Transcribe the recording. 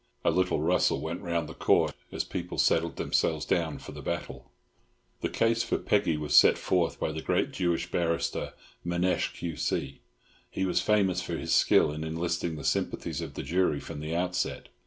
A little rustle went round the Court as people settled themselves down for the battle. The case for Peggy was set forth by the great Jewish barrister, Manasseh, Q.C. He was famous for his skill in enlisting the sympathies of the jury from the outset.